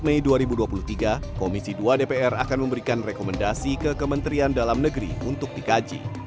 mei dua ribu dua puluh tiga komisi dua dpr akan memberikan rekomendasi ke kementerian dalam negeri untuk dikaji